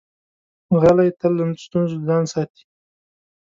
غلی، تل له ستونزو ځان ساتي.